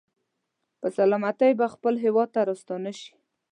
په سلامتۍ به خپل هېواد ته راستانه شي.